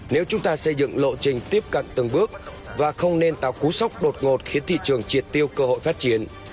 nếu chúng ta xây dựng lộ trình tiếp cận từng bước và không nên tạo cú sốc đột ngột khiến thị trường triệt tiêu cơ hội phát triển